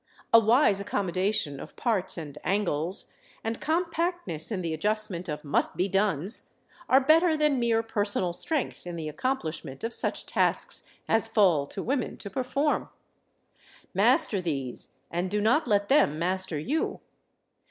A wise accommodation of parts and angles, and compactness in the adjustment of "must be dones" are better than mere personal strength in the accomplishment of such tasks as fall to women to perform. Master these, and do not let them master you.